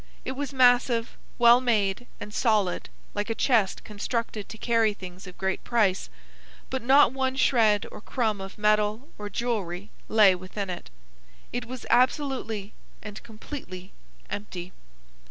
It was massive, well made, and solid, like a chest constructed to carry things of great price, but not one shred or crumb of metal or jewelry lay within it. It was absolutely and completely empty.